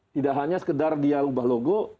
tidak hanya sekedar dia ubah logo